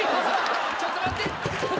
ちょっと待って。